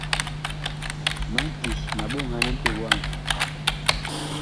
Mag ki ma ɓoŋhan mpeg wama.